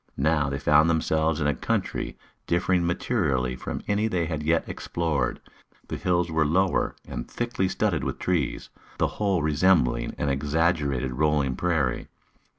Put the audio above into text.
Now they found themselves in a country differing materially from any they had yet explored. The hills were lower and thickly studded with trees, the whole resembling an exaggerated rolling prairie.